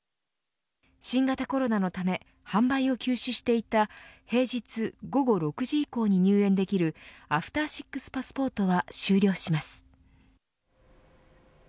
新型コロナのため販売を休止していた平日午後６時以降に入園できるアフター６パスポートは終了します。